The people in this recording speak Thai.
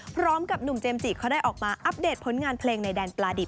พร้อมกับหนุ่มเจมส์จิเขาได้ออกมาอัปเดตผลงานเพลงในแดนปลาดิบ